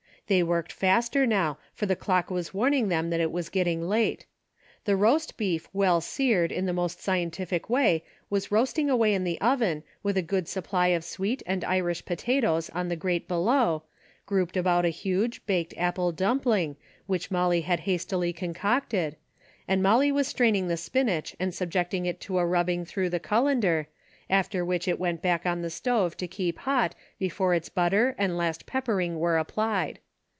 They worked faster now, for the clock was warning them that it was getting late. The roast beef well seared in the most scien tific way was roasting away in the oven with a good supply of sweet and Irish potatoes on the grate below, grouped about a huge baked apple dumpling which Molly had hastily con cocted, and Molly was straining the spinach and subjecting it to a rubbing through the colander, after which it went back on the stove to keep hot before its butter and last peppering were applied.